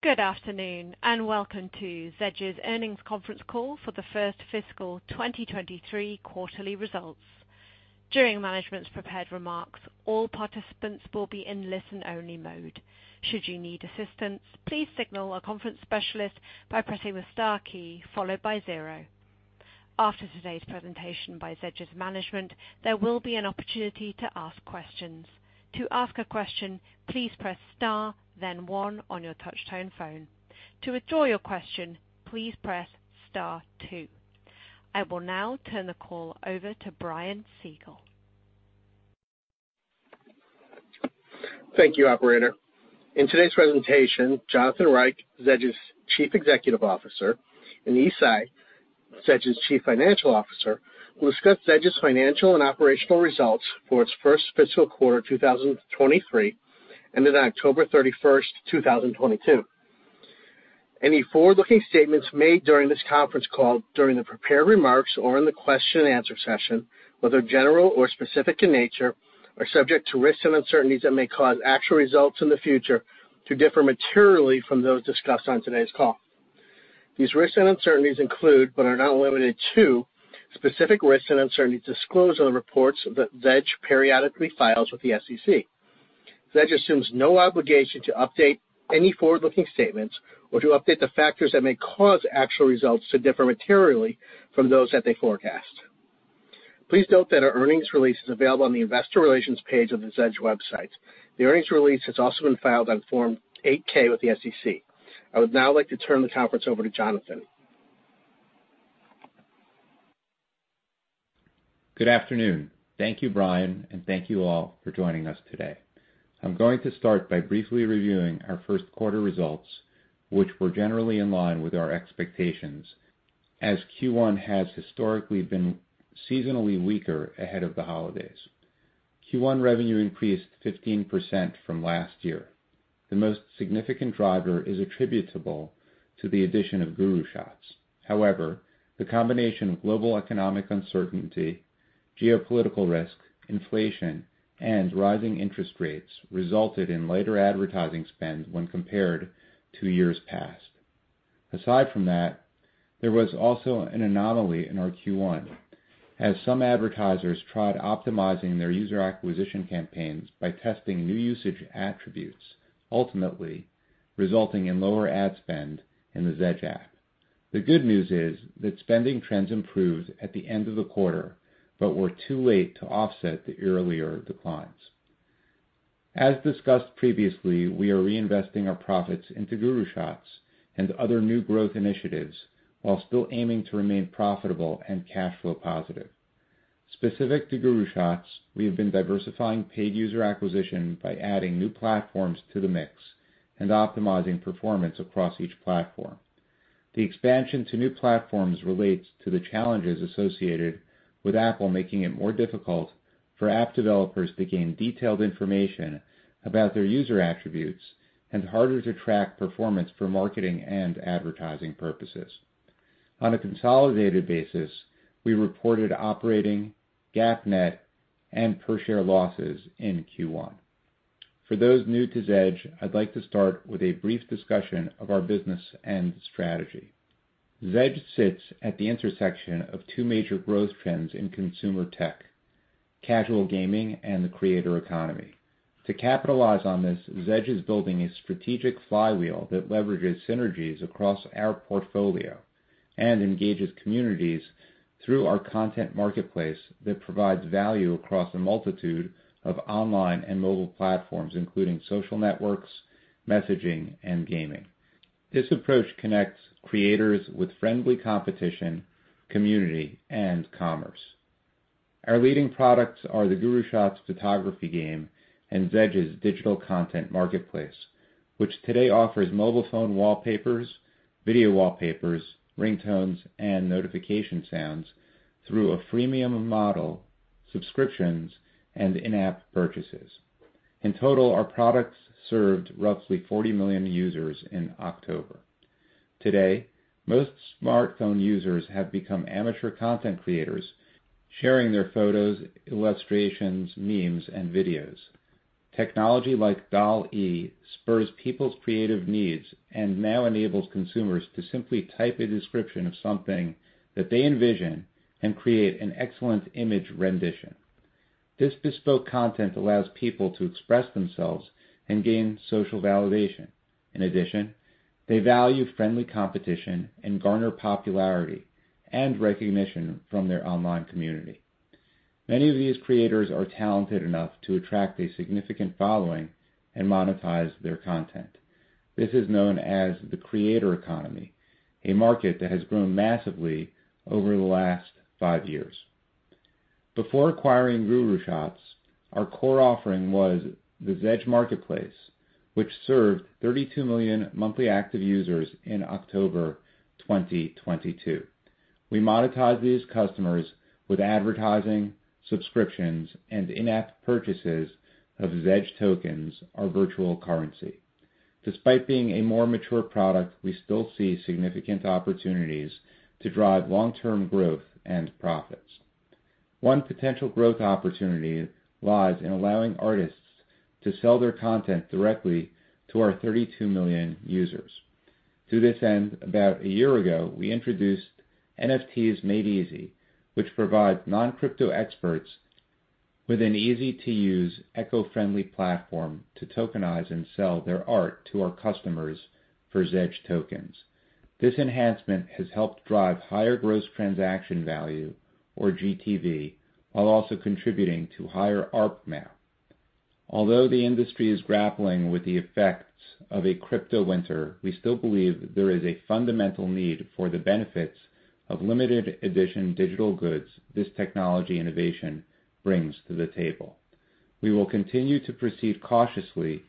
Good afternoon, Welcome to Zedge's Earnings Conference Call for the first fiscal 2023 quarterly results. During management's prepared remarks, all participants will be in listen-only mode. Should you need assistance, please signal a conference specialist by pressing the star key followed by zero. After today's presentation by Zedge's management, there will be an opportunity to ask questions. To ask a question, please press star then one on your touch-tone phone. To withdraw your question, please press star two. I will now turn the call over to Brian Siegel. Thank you, operator. In today's presentation, Jonathan Reich, Zedge's Chief Executive Officer, and Yi Tsai, Zedge's Chief Financial Officer, will discuss Zedge's financial and operational results for its first fiscal quarter of 2023, ended on October 31st, 2022. Any forward-looking statements made during this conference call, during the prepared remarks or in the question-and-answer session, whether general or specific in nature, are subject to risks and uncertainties that may cause actual results in the future to differ materially from those discussed on today's call. These risks and uncertainties include, but are not limited to, specific risks and uncertainties disclosed on the reports that Zedge periodically files with the SEC. Zedge assumes no obligation to update any forward-looking statements or to update the factors that may cause actual results to differ materially from those that they forecast. Please note that our earnings release is available on the investor relations page of the Zedge website. The earnings release has also been filed on Form 8-K with the SEC. I would now like to turn the conference over to Jonathan. Good afternoon. Thank you, Brian, and thank you all for joining us today. I'm going to start by briefly reviewing our first quarter results, which were generally in line with our expectations as Q1 has historically been seasonally weaker ahead of the holidays. Q1 revenue increased 15% from last year. The most significant driver is attributable to the addition of GuruShots. However, the combination of global economic uncertainty, geopolitical risk, inflation, and rising interest rates resulted in lighter advertising spend when compared to years past. Aside from that, there was also an anomaly in our Q1 as some advertisers tried optimizing their user acquisition campaigns by testing new usage attributes, ultimately resulting in lower ad spend in the Zedge app. The good news is that spending trends improved at the end of the quarter but were too late to offset the earlier declines. As discussed previously, we are reinvesting our profits into GuruShots and other new growth initiatives while still aiming to remain profitable and cash flow positive. Specific to GuruShots, we have been diversifying paid user acquisition by adding new platforms to the mix and optimizing performance across each platform. The expansion to new platforms relates to the challenges associated with Apple making it more difficult for app developers to gain detailed information about their user attributes and harder to track performance for marketing and advertising purposes. On a consolidated basis, we reported operating, GAAP net, and per share losses in Q1. For those new to Zedge, I'd like to start with a brief discussion of our business and strategy. Zedge sits at the intersection of two major growth trends in consumer tech: casual gaming and the creator economy. To capitalize on this, Zedge is building a strategic flywheel that leverages synergies across our portfolio and engages communities through our content marketplace that provides value across a multitude of online and mobile platforms, including social networks, messaging, and gaming. This approach connects creators with friendly competition, community, and commerce. Our leading products are the GuruShots photography game and Zedge's digital content marketplace, which today offers mobile phone wallpapers, video wallpapers, ringtones, and notification sounds through a freemium model, subscriptions, and in-app purchases. In total, our products served roughly 40 million users in October. Today, most smartphone users have become amateur content creators, sharing their photos, illustrations, memes, and videos. Technology like DALL-E spurs people's creative needs and now enables consumers to simply type a description of something that they envision and create an excellent image rendition. This bespoke content allows people to express themselves and gain social validation. In addition, they value friendly competition and garner popularity and recognition from their online community. Many of these creators are talented enough to attract a significant following and monetize their content. This is known as the creator economy, a market that has grown massively over the last five years. Before acquiring GuruShots, our core offering was the Zedge Marketplace, which served 32 million monthly active users in October 2022. We monetize these customers with advertising, subscriptions, and in-app purchases of Zedge tokens, our virtual currency. Despite being a more mature product, we still see significant opportunities to drive long-term growth and profits. One potential growth opportunity lies in allowing artists to sell their content directly to our 32 million users. To this end, about a year ago, we introduced NFTs Made Easy, which provides non-crypto experts with an easy-to-use eco-friendly platform to tokenize and sell their art to our customers for Zedge tokens. This enhancement has helped drive higher Gross Transaction Value, or GTV, while also contributing to higher ARPMAU. Although the industry is grappling with the effects of a crypto winter, we still believe there is a fundamental need for the benefits of limited-edition digital goods this technology innovation brings to the table. We will continue to proceed cautiously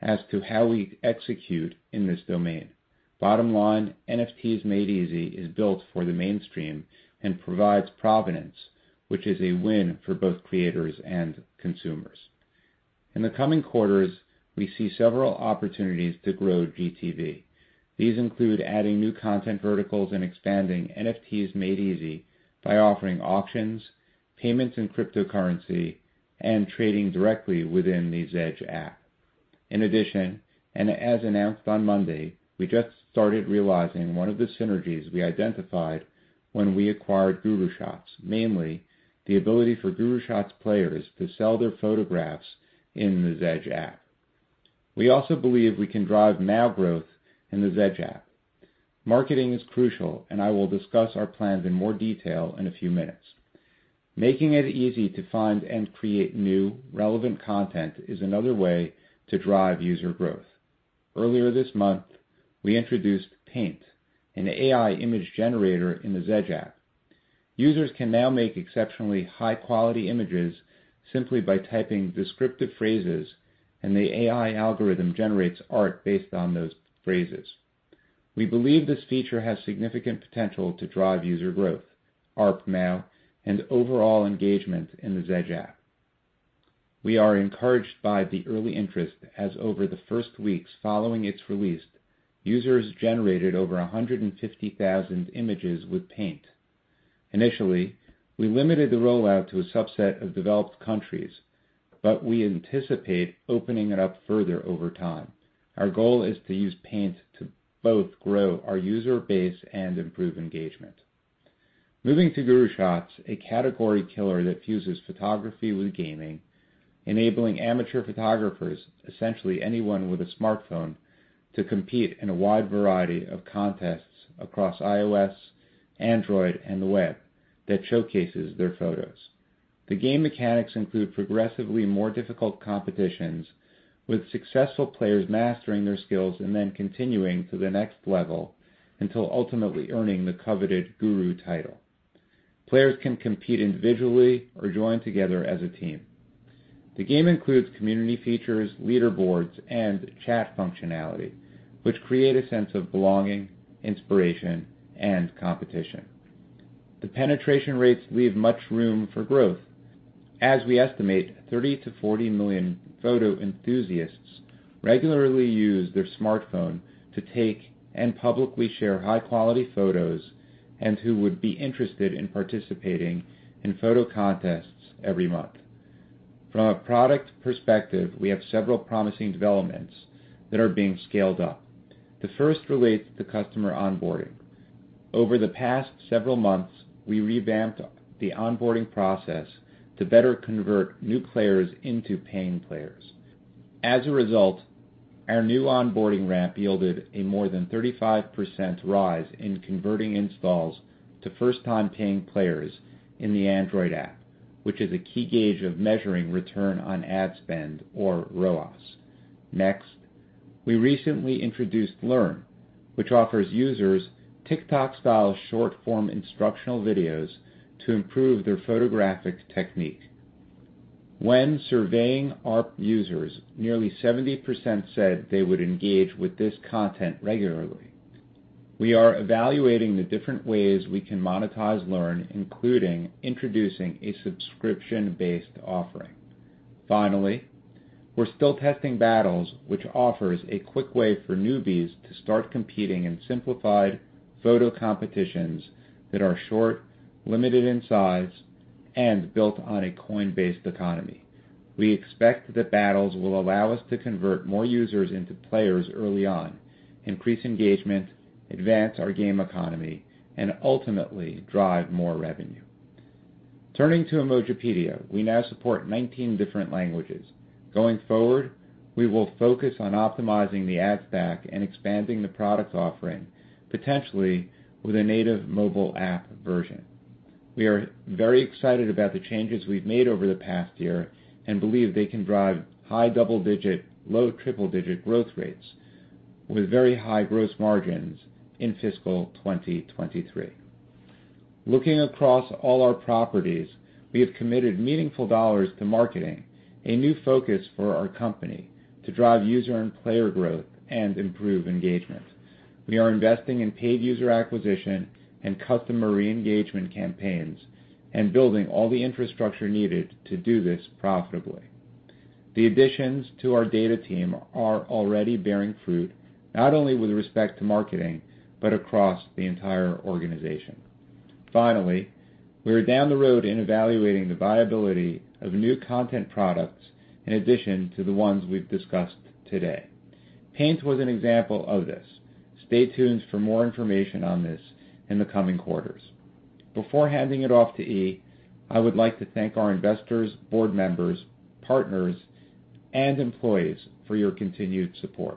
as to how we execute in this domain. Bottom line, NFTs Made Easy is built for the mainstream and provides provenance, which is a win for both creators and consumers. In the coming quarters, we see several opportunities to grow GTV. These include adding new content verticals and expanding NFTs Made Easy by offering auctions, payments in cryptocurrency, and trading directly within the Zedge app. As announced on Monday, we just started realizing one of the synergies we identified when we acquired GuruShots, mainly the ability for GuruShots players to sell their photographs in the Zedge app. We also believe we can drive MAU growth in the Zedge app. Marketing is crucial. I will discuss our plans in more detail in a few minutes. Making it easy to find and create new relevant content is another way to drive user growth. Earlier this month, we introduced pAInt, an AI image generator in the Zedge app. Users can now make exceptionally high-quality images simply by typing descriptive phrases. The AI algorithm generates art based on those phrases. We believe this feature has significant potential to drive user growth, ARPMAU, and overall engagement in the Zedge app. We are encouraged by the early interest as over the first weeks following its release, users generated over 150,000 images with pAInt. Initially, we limited the rollout to a subset of developed countries. We anticipate opening it up further over time. Our goal is to use pAInt to both grow our user base and improve engagement. Moving to GuruShots, a category killer that fuses photography with gaming, enabling amateur photographers, essentially anyone with a smartphone, to compete in a wide variety of contests across iOS, Android, and the web that showcases their photos. The game mechanics include progressively more difficult competitions, with successful players mastering their skills and then continuing to the next level until ultimately earning the coveted Guru title. Players can compete individually or join together as a team. The game includes community features, leaderboards, and chat functionality, which create a sense of belonging, inspiration, and competition. The penetration rates leave much room for growth, as we estimate 30 million-40 million photo enthusiasts regularly use their smartphone to take and publicly share high-quality photos and who would be interested in participating in photo contests every month. From a product perspective, we have several promising developments that are being scaled up. The first relates to customer onboarding. Over the past several months, we revamped the onboarding process to better convert new players into paying players. As a result, our new onboarding ramp yielded a more than 35% rise in converting installs to first-time paying players in the Android app, which is a key gauge of measuring return on ad spend, or ROAS. Next we recently introduced Learn, which offers users TikTok-style short-form instructional videos to improve their photographic technique. When surveying our users, nearly 70% said they would engage with this content regularly. We are evaluating the different ways we can monetize Learn, including introducing a subscription-based offering. We're still testing Battles, which offers a quick way for newbies to start competing in simplified photo competitions that are short, limited in size, and built on a coin-based economy. We expect that Battles will allow us to convert more users into players early on, increase engagement, advance our game economy, and ultimately drive more revenue. Turning to Emojipedia, we now support 19 different languages. We will focus on optimizing the ads back and expanding the product offering, potentially with a native mobile app version. We are very excited about the changes we've made over the past year and believe they can drive high double-digit, low triple-digit growth rates with very high gross margins in fiscal 2023. Looking across all our properties, we have committed meaningful dollars to marketing, a new focus for our company to drive user and player growth and improve engagement. We are investing in paid user acquisition and customer re-engagement campaigns and building all the infrastructure needed to do this profitably. The additions to our data team are already bearing fruit, not only with respect to marketing, but across the entire organization. Finally, we are down the road in evaluating the viability of new content products in addition to the ones we've discussed today pAInt was an example of this. Stay tuned for more information on this in the coming quarters. Before handing it off to Yi, I would like to thank our investors, board members, partners, and employees for your continued support.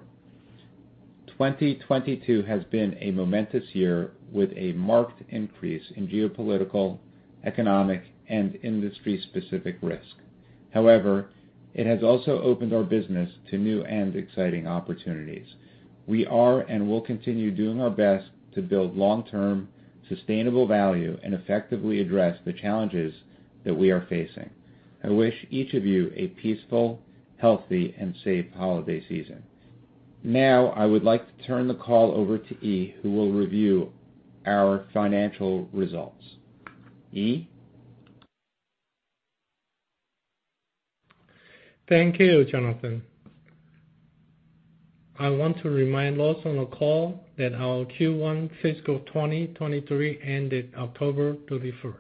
2022 has been a momentous year with a marked increase in geopolitical, economic, and industry-specific risk. However it has also opened our business to new and exciting opportunities. We are and will continue doing our best to build long-term sustainable value and effectively address the challenges that we are facing. I wish each of you a peaceful, healthy, and safe holiday season. Now I would like to turn the call over to Yi, who will review our financial results. Yi? Thank you, Jonathan. I want to remind those on the call that our Q1 fiscal 2023 ended October 31st.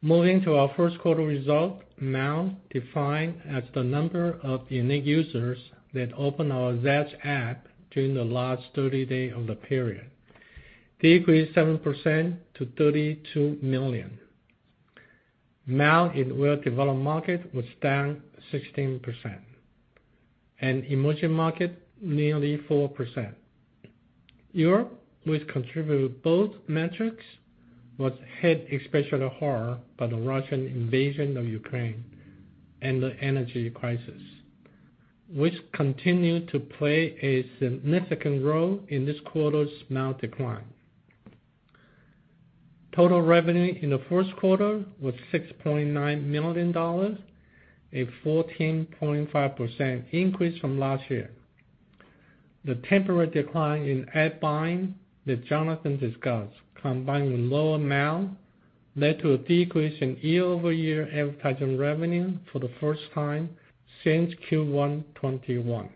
Moving to our first quarter result, MAU, defined as the number of unique users that open our Zedge app during the last 30 day of the period, decreased 7% to 32 million. MAU in well-developed market was down 16%, and emerging market nearly 4%. Europe, which contributed both metrics, was hit especially hard by the Russian invasion of Ukraine and the energy crisis, which continued to play a significant role in this quarter's MAU decline. Total revenue in the first quarter was $6.9 million, and 14.5% increase from last year. The temporary decline in ad buying that Jonathan discussed, combined with lower MAU, led to a decrease in year-over-year advertising revenue for the first time since Q1 2021.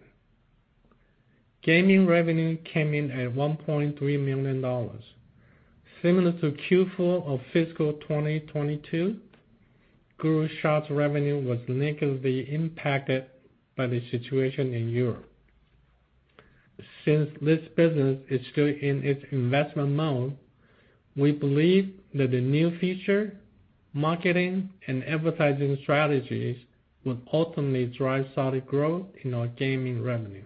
Gaming revenue came in at $1.3 million. Similar to Q4 of fiscal 2022, GuruShots revenue was negatively impacted by the situation in Europe. This business is still in its investment mode, we believe that the new feature, marketing, and advertising strategies will ultimately drive solid growth in our gaming revenue.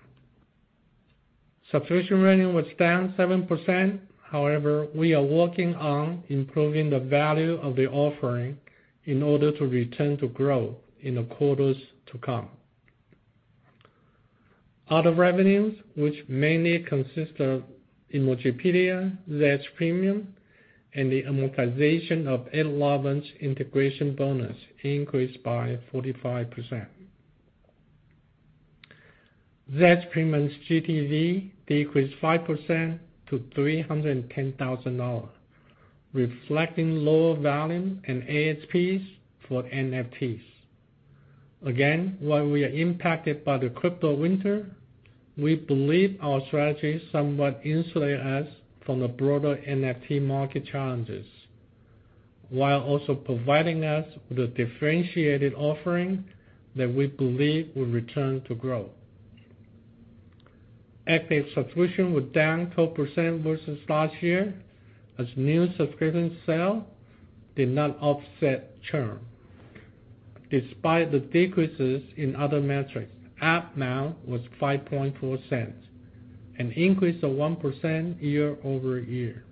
Subscription revenue was down 7%. We are working on improving the value of the offering in order to return to growth in the quarters to come. Other revenues, which mainly consist of Emojipedia, Zedge Premium, and the amortization of Eight Eleven's integration bonus, increased by 45%. Zedge Premium's GTV decreased 5% to $310,000, reflecting lower volume and ASPs for NFTs. Again, while we are impacted by the crypto winter, we believe our strategy somewhat insulate us from the broader NFT market challenges, while also providing us with a differentiated offering that we believe will return to growth. Active subscription was down 12% versus last year, as new subscription sale did not offset churn. Despite the decreases in other metrics, ARPMAU was $0.054, an increase of 1% year-over-year.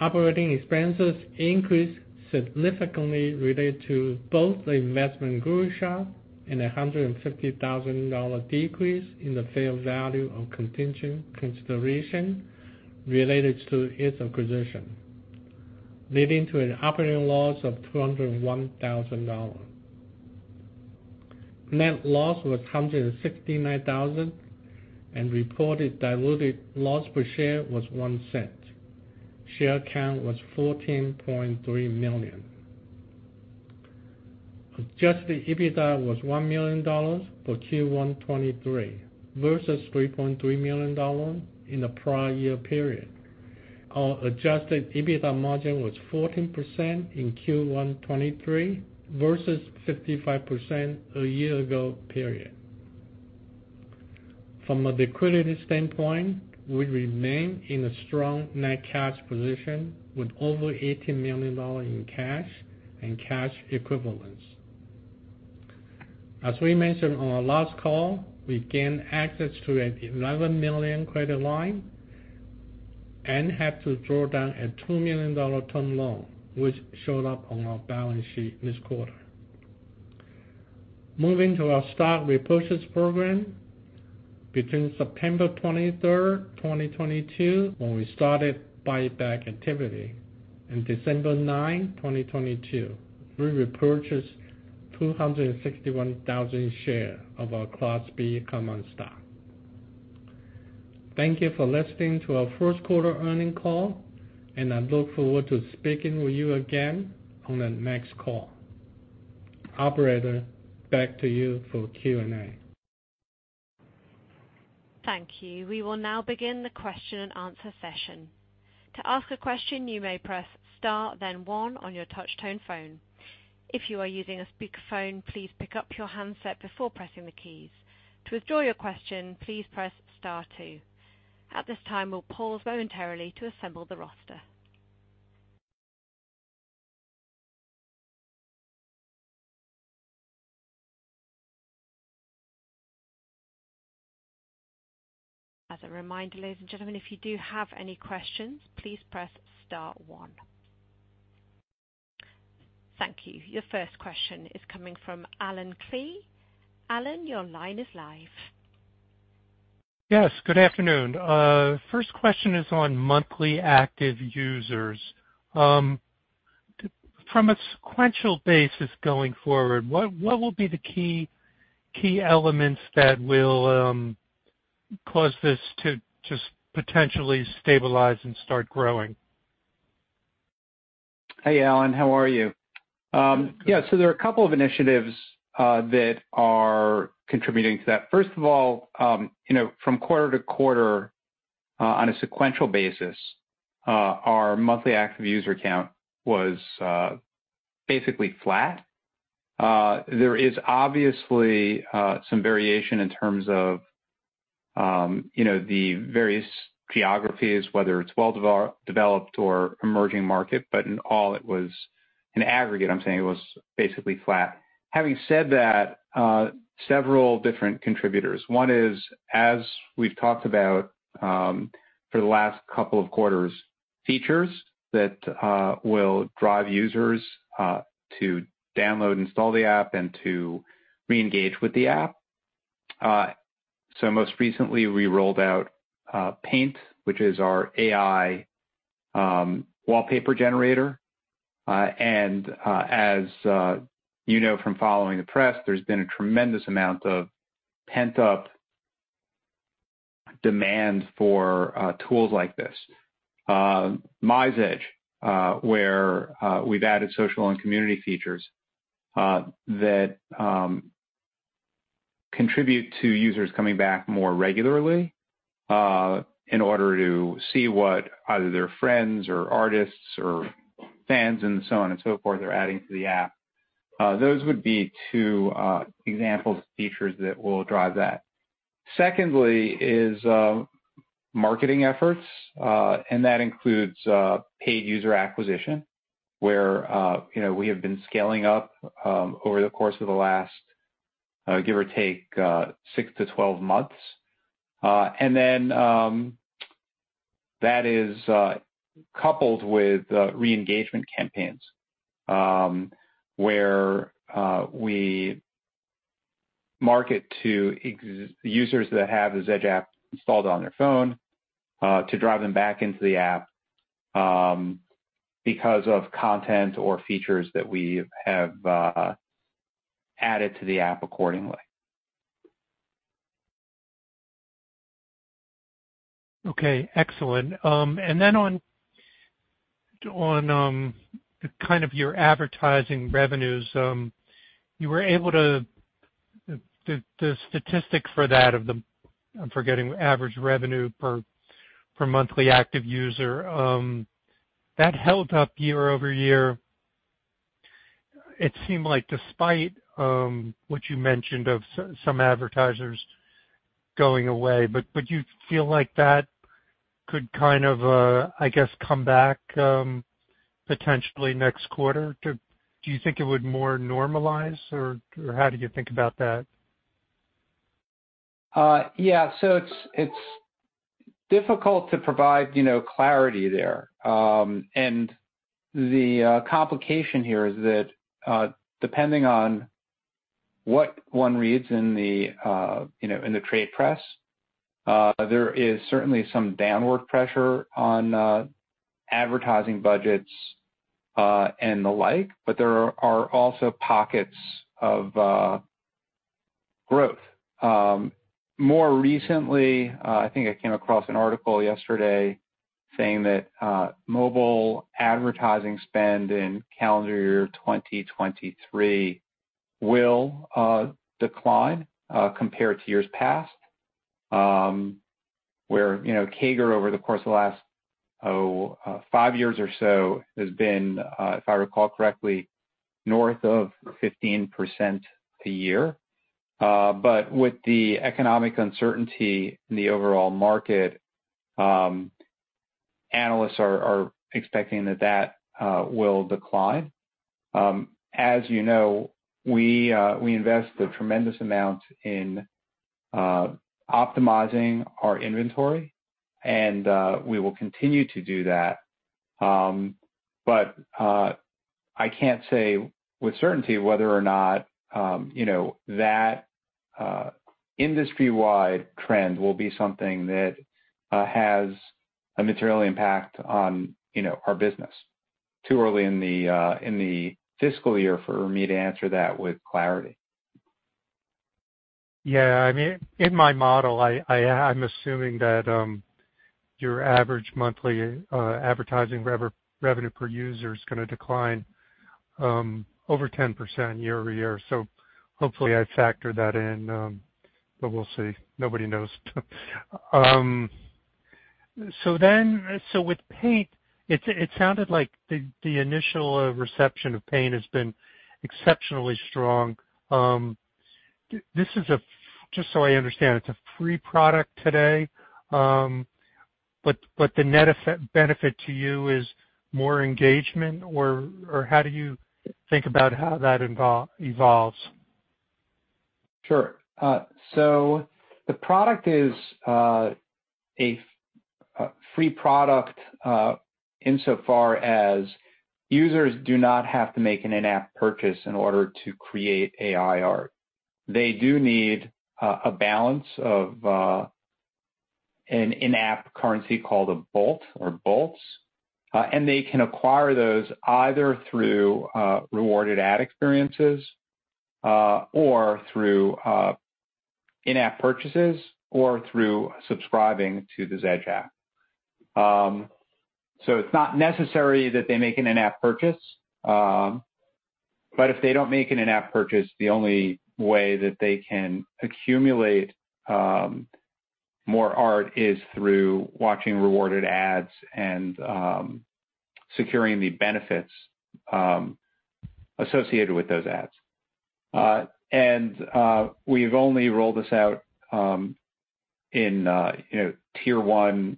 Operating expenses increased significantly related to both the investment in GuruShots and a $150,000 decrease in the fair value of contingent consideration related to its acquisition, leading to an operating loss of $201,000. Net loss was $169,000, and reported diluted loss per share was $0.01. Share count was 14.3 million. Adjusted EBITDA was $1 million for Q1 2023 versus $3.3 million in the prior year period. Our Adjusted EBITDA margin was 14% in Q1 2023 versus 55% a year ago period. From a liquidity standpoint, we remain in a strong net cash position with over $80 million in cash and cash equivalents. As we mentioned on our last call, we gained access to an $11 million credit line and have to draw down a $2 million term loan which showed up on our balance sheet this quarter. Moving to our stock repurchase program, between September 23, 2022, when we started buyback activity, and December 9, 2022, we repurchased 261,000 shares of our Class B common stock. Thank you for listening to our first quarter earnings call. I look forward to speaking with you again on the next call. Operator, back to you for Q&A. Thank you. We will now begin the question-and-answer session. To ask a question, you may press star then one on your touch tone phone. If you are using a speakerphone, please pick up your handset before pressing the keys. To withdraw your question, please press star two. At this time, we'll pause momentarily to assemble the roster. As a reminder, ladies and gentlemen, if you do have any questions, please press star one. Thank you. Your first question is coming from Allen Klee. Allen, your line is live. Yes, good afternoon. First question is on monthly active users. From a sequential basis going forward, what will be the key elements that will cause this to just potentially stabilize and start growing? Hey, Allen, how are you? Yes, there are a couple of initiatives that are contributing to that. First of all, you know, from quarter to quarter, on a sequential basis, our monthly active user count was basically flat. There is obviously some variation in terms of, you know, the various geographies, whether it's well developed or emerging market, but in all it was an aggregate, I'm saying it was basically flat. Having said that, several different contributors. One is, as we've talked about, for the last couple of quarters, features that will drive users to download, install the app and to reengage with the app. Most recently we rolled out pAInt, which is our AI wallpaper generator. As, you know from following the press, there's been a tremendous amount of pent-up demand for tools like this. MyZedge, where we've added social and community features, that contribute to users coming back more regularly, in order to see what either their friends or artists or fans and so on and so forth are adding to the app. Those would be two examples of features that will drive that. Secondly is marketing efforts, that includes paid user acquisition, where, you know, we have been scaling up over the course of the last, give or take, six to 12 months. That is coupled with re-engagement campaigns, where we market to users that have a Zedge app installed on their phone, to drive them back into the app, because of content or features that we have added to the app accordingly. Okay, excellent. On, on, kind of your advertising revenues, you were able to. The statistics for that of the, I'm forgetting, average revenue per monthly active user, that held up year-over-year. It seemed like despite, what you mentioned of some advertisers going away, but would you feel like that could kind of, I guess, come back, potentially next quarter? Do you think it would more normalize or how do you think about that? Yeah. It's, it's difficult to provide, you know, clarity there. The complication here is that, depending on what one reads in the you know, in the trade press, there is certainly some downward pressure on advertising budgets and the like but there are also pockets of growth. More recently, I think I came across an article yesterday saying that mobile advertising spends in calendar year 2023 will decline compared to years past, where you know, CAGR over the course of the last five years or so has been, if I recall correctly north of 15% per year. With the economic uncertainty in the overall market, analysts are expecting that will decline. As you know, we invest a tremendous amount in optimizing our inventory and we will continue to do that. I can't say with certainty whether or not, you know that industry-wide trend will be something that has a material impact on you know, our business. Too early in the fiscal year for me to answer that with clarity. Yeah, I mean, in my model, I'm assuming that your average monthly advertising revenue per user is gonna decline over 10% year-over-year. Hopefully I factor that in, but we'll see. Nobody knows. With pAInt, it sounded like the initial reception of pAInt has been exceptionally strong. This is a just so I understand, it's a free product today, but the net benefit to you is more engagement or how do you think about how that evolves? Sure. The product is a free product insofar as users do not have to make an in-app purchase in order to create AI art. They do need a balance of an in-app currency called Coins or bolts, and they can acquire those either through rewarded ad experiences or through in-app purchases or through subscribing to the Zedge app. It's not necessary that they make an in-app purchase, but if they don't make an in-app purchase, the only way that they can accumulate more art is through watching rewarded ads and securing the benefits associated with those ads. We've only rolled this out in, you know, Tier 1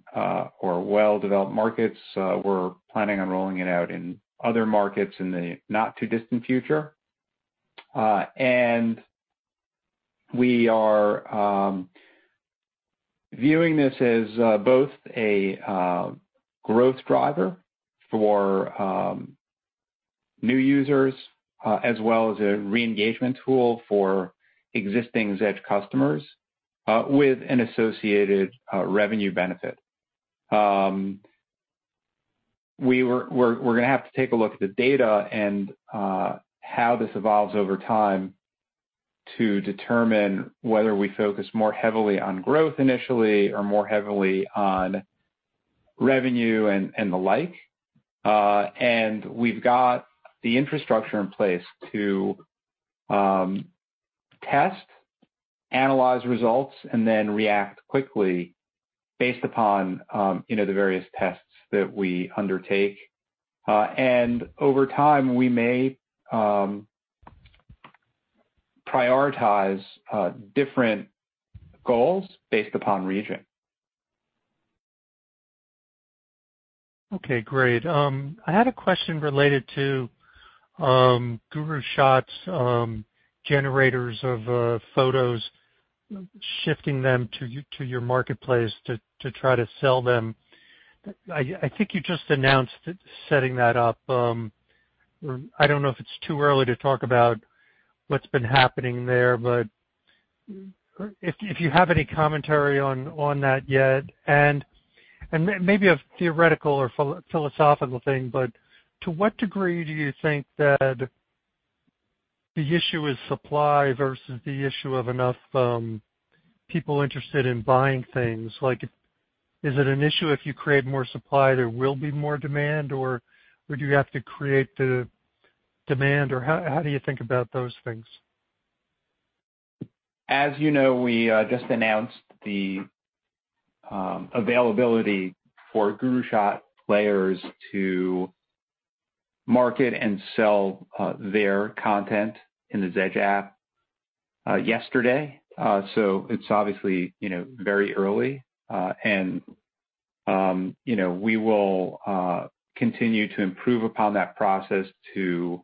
or well-developed markets. We're planning on rolling it out in other markets in the not-too-distant future. We are viewing this as both a growth driver for new users, as well as a re-engagement tool for existing Zedge customers, with an associated revenue benefit. We're gonna have to take a look at the data and how this evolves over time to determine whether we focus more heavily on growth initially or more heavily on revenue and the like. We've got the infrastructure in place to test, analyze results and then react quickly based upon, you know, the various tests that we undertake. And over time, we may prioritize different goals based upon region. Okay, great. I had a question related to GuruShots, generators of photos shifting them to your marketplace to try to sell them. I think you just announced setting that up. I don't know if it's too early to talk about what's been happening there, but if you have any commentary on that yet. Maybe a theoretical or philosophical thing, but to what degree do you think that the issue is supply versus the issue of enough people interested in buying things? Like, is it an issue if you create more supply, there will be more demand? Would you have to create the demand? How do you think about those things? As you know, we just announced the availability for GuruShots players to market and sell their content in the Zedge app yesterday. It's obviously, you know, very early. You know, we will continue to improve upon that process to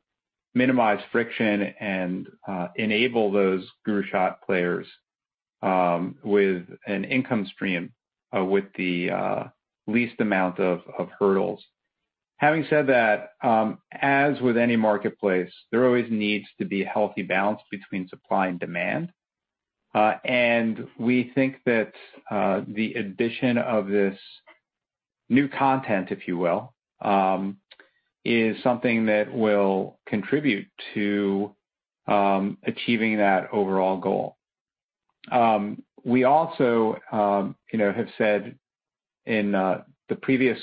minimize friction and enable those GuruShots players with an income stream with the least amount of hurdles. Having said that, as with any marketplace, there always needs to be a healthy balance between supply and demand. We think that the addition of this new content, if you will, is something that will contribute to achieving that overall goal. We also, you know, have said in the previous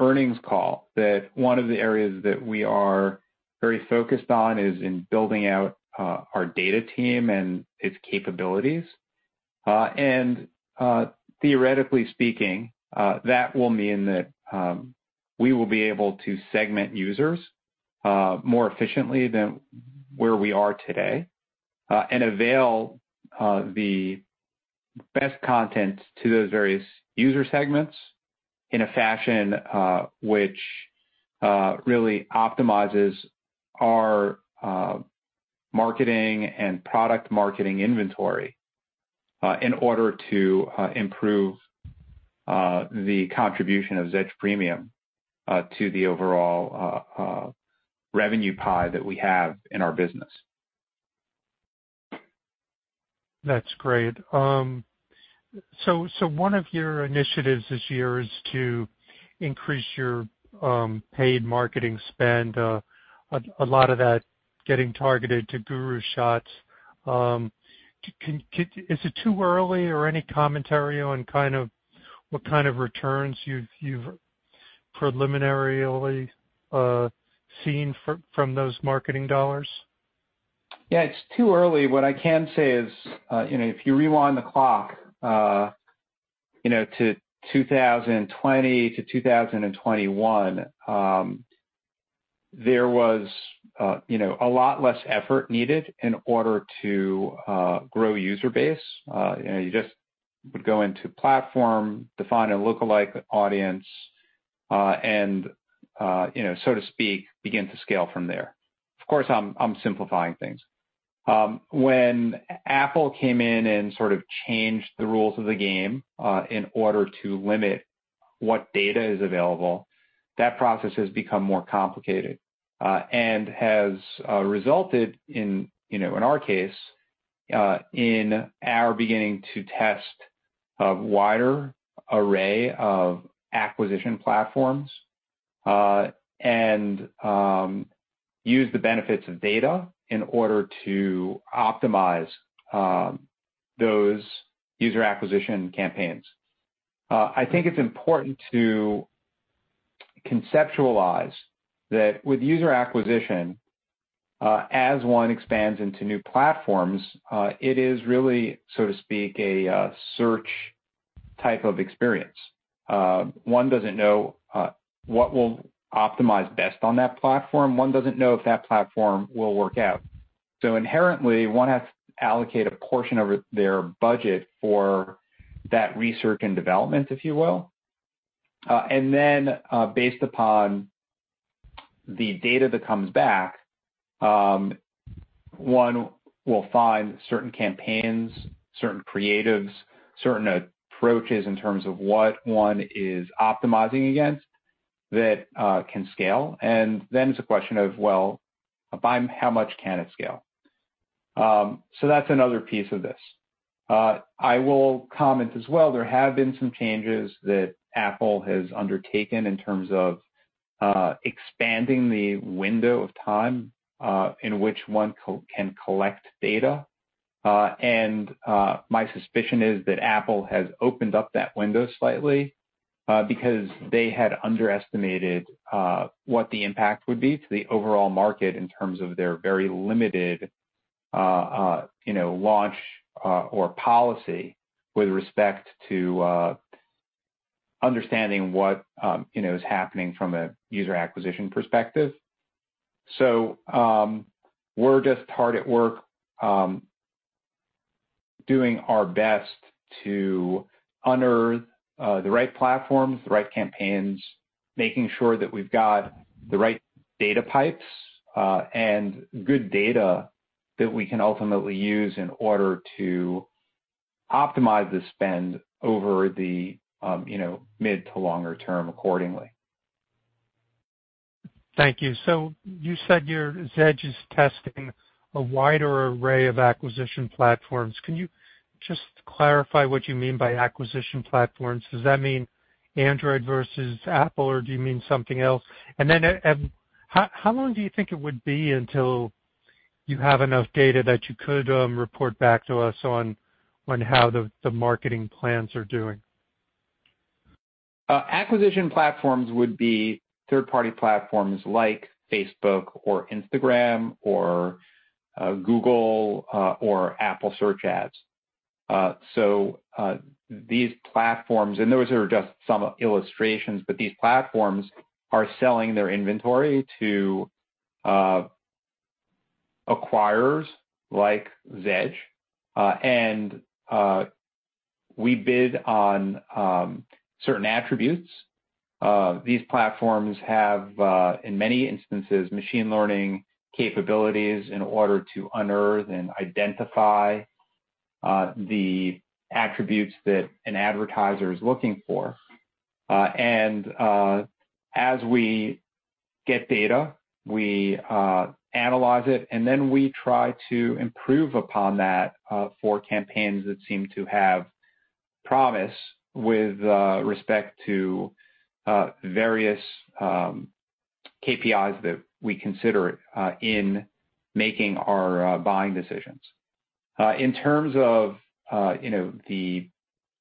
earnings call that one of the areas that we are very focused on is in building out our data team and its capabilities. Theoretically speaking, that will mean that we will be able to segment users more efficiently than where we are today, and avail the best content to those various user segments in a fashion which really optimizes our marketing and product marketing inventory in order to improve the contribution of Zedge Premium to the overall revenue pie that we have in our business. That's great. One of your initiatives this year is to increase your paid marketing spend, a lot of that getting targeted to GuruShots. Is it too early or any commentary on kind of what kind of returns you've preliminarily seen from those marketing dollars? Yeah, it's too early. What I can say is, if you rewind the clock, to 2020-2021, there was a lot less effort needed in order to grow user base. You just would go into platform, define a look-alike audience and so to speak begin to scale from there. Of course, I'm simplifying things. When Apple came in and sort of changed the rules of the game in order to limit what data is available that process has become more complicated, and has resulted in our case, in our beginning to test a wider array of acquisition platforms and use the benefits of data in order to optimize those user acquisition campaigns. I think it's important to conceptualize that with user acquisition, as one expands into new platforms, it is really so to speak a search type of experience. One doesn't know what will optimize best on that platform. One doesn't know if that platform will work out. Inherently, one has to allocate a portion of their budget for that research and development, if you will. And then based upon the data that comes back, one will find certain campaigns, certain creatives, certain approaches in terms of what one is optimizing against that, can scale. It's a question of, well, by how much can it scale? That's another piece of this. I will comment as well, there have been some changes that Apple has undertaken in terms of expanding the window of time in which one can collect data. And my suspicion is that Apple has opened up that window slightly because they had underestimated what the impact would be to the overall market in terms of their very limited you know launch or policy with respect to understanding what, you know is happening from a user acquisition perspective. We're just hard at work doing our best to unearth the right platforms, the right campaigns, making sure that we've got the right data pipes and good data that we can ultimately use in order to optimize the spend over the, you know, mid to longer term accordingly. Thank you. You said Zedge is testing a wider array of acquisition platforms. Can you just clarify what you mean by acquisition platforms? Does that mean Android versus Apple, or do you mean something else? How long do you think it would be until you have enough data that you could report back to us on how the marketing plans are doing? Acquisition platforms would be third-party platforms like Facebook or Instagram or Google or Apple Search Ads. These platforms, and those are just some illustrations, but these platforms are selling their inventory to acquirers like Zedge. We bid on certain attributes. These platforms have in many instances, machine learning capabilities in order to unearth and identify the attributes that an advertiser is looking for. As we get data, we analyze it, and then we try to improve upon that for campaigns that seem to have promise with respect to various KPIs that we consider in making our buying decisions. In terms of, you know, the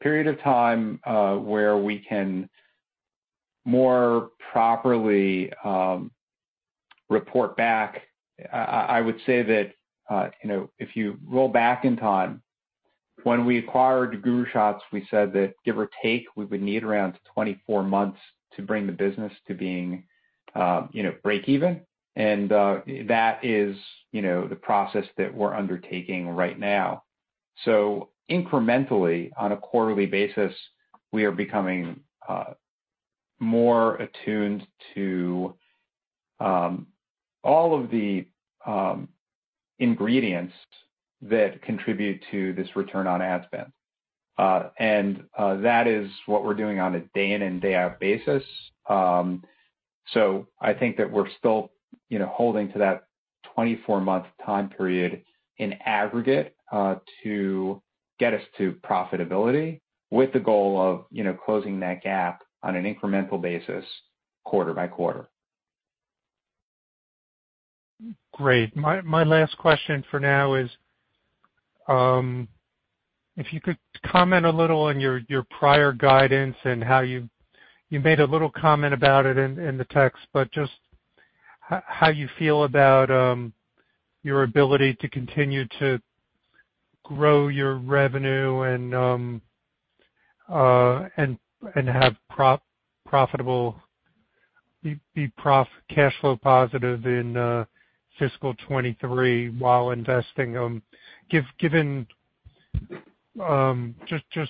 period of time, where we can more properly report back, I would say that, you know, if you roll back in time, when we acquired GuruShots, we said that, give or take, we would need around 24 months to bring the business to being, you know, break even. That is, you know, the process that we're undertaking right now. Incrementally, on a quarterly basis, we are becoming more attuned to all of the ingredients that contribute to this return on ad spend. That is what we're doing on a day in and day out basis. I think that we're still, you know, holding to that 24-month time period in aggregate to get us to profitability with the goal of, you know, closing that gap on an incremental basis quarter by quarter. Great. My last question for now is, if you could comment a little on your prior guidance and how you you made a little comment about it in the text, but just how you feel about your ability to continue to grow your revenue and have cash flow positive in fiscal 2023 while investing, given just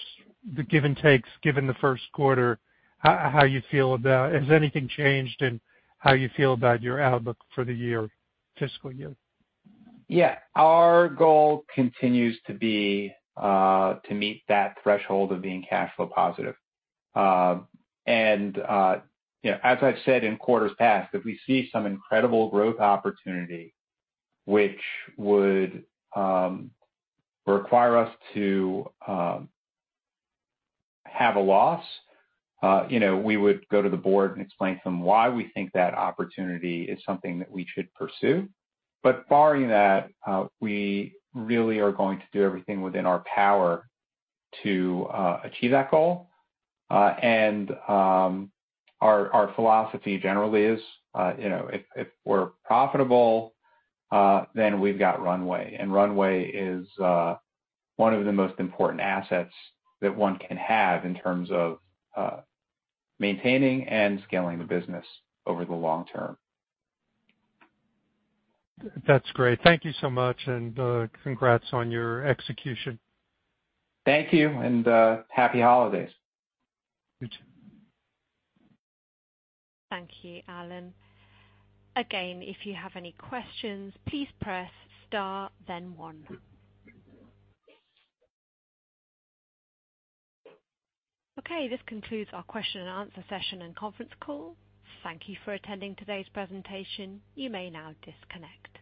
the give and takes, given the first quarter, how you feel about. Has anything changed in how you feel about your outlook for the year, fiscal year? Yeah. Our goal continues to be to meet that threshold of being cash flow positive. You know, as I've said in quarters past, if we see some incredible growth opportunity which would require us to have a loss, you know, we would go to the board and explain to them why we think that opportunity is something that we should pursue. Barring that, we really are going to do everything within our power to achieve that goal. Our, our philosophy generally is, you know, if we're profitable, then we've got runway, and runway is one of the most important assets that one can have in terms of maintaining and scaling the business over the long term. That's great. Thank you so much, and, congrats on your execution. Thank you, and happy holidays. You too. Thank you, Allen. Again, if you have any questions, please press star then one. This concludes our question-and-answer session and conference call. Thank you for attending today's presentation. You may now disconnect.